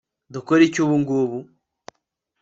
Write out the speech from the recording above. dukoriki ubungubu!